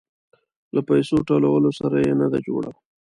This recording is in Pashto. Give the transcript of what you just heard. له پيسو ټولولو سره يې نه ده جوړه.